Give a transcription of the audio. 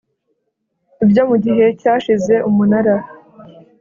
Ibyo mu gihe cyashize umunara